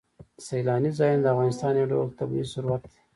سیلاني ځایونه د افغانستان یو ډول طبعي ثروت دی.